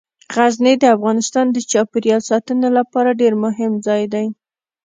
غزني د افغانستان د چاپیریال ساتنې لپاره ډیر مهم ځای دی.